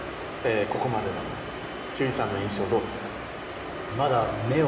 ここまでの休井さんの印象どうですか？